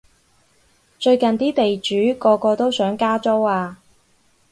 最近啲地主個個都想加租啊